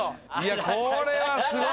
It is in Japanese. これはすごい！